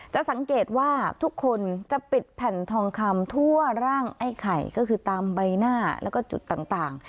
จะสังเกตว่าทุกคนจะปิดแผ่นทองคำทั่วร่างไอ้ไข่ก็คือตามใบหน้าแล้วก็จุดต่าง